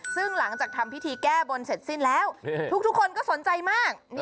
ซึ่งหลังจากที่แก้บนเจอตัวล่าสุดสิ้นแล้วทุกคนจะสนใจมาก